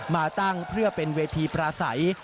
มาตั้งเพื่อเป็นเวทีปราศัย